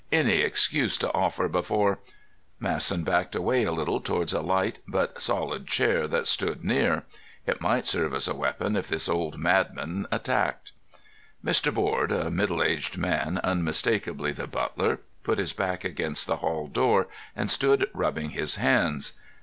"Any excuse to offer before——" Masson backed away a little towards a light but solid chair that stood near. It might serve as a weapon if this old madman attacked. Mr. Board—a middle aged man, unmistakably the butler—put his back against the hall door and stood rubbing his hands.